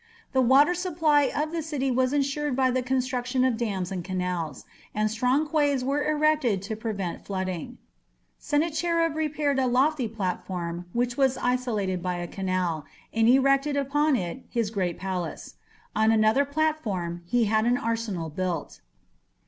The water supply of the city was ensured by the construction of dams and canals, and strong quays were erected to prevent flooding. Sennacherib repaired a lofty platform which was isolated by a canal, and erected upon it his great palace. On another platform he had an arsenal built.